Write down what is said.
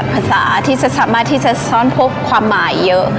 ภาษาที่จะสามารถที่จะซ้อนพบความหมายเยอะ